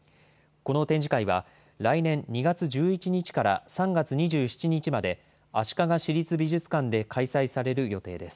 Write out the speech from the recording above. この展示会は、来年２月１１日から３月２７日まで、足利市立美術館で開催される予定です。